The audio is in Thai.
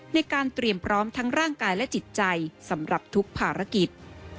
ในการเตรียมพร้อมทั้งร่างกายและจิตใจสำหรับทุกภารกิจ